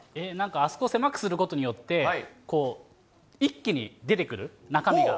あそこを狭くすることによって、こう、一気に出てくる？中身が。